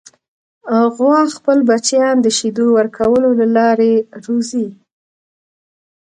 غوا خپل بچیان د شیدو ورکولو له لارې روزي.